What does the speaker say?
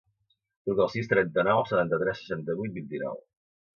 Truca al sis, trenta-nou, setanta-tres, seixanta-vuit, vint-i-nou.